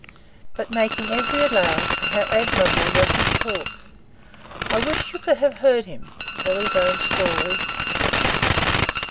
But, making every allowance, how admirable was his talk! I wish you could have heard him tell his own stories.